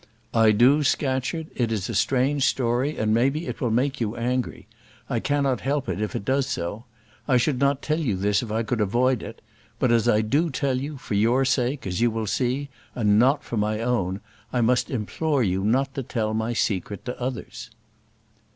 "I do, Scatcherd; it is a strange story, and maybe it will make you angry. I cannot help it if it does so. I should not tell you this if I could avoid it; but as I do tell you, for your sake, as you will see, and not for my own, I must implore you not to tell my secret to others."